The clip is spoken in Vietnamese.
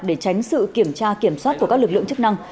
để tránh sự kiểm tra kiểm soát của các lực lượng chức năng